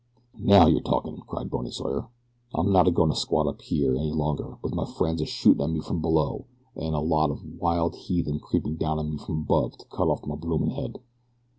"Now you're talkin'," cried Bony Sawyer. "I'm not a goin' to squat up here any longer with my friends a shootin' at me from below an' a lot of wild heathen creeping down on me from above to cut off my bloomin' head."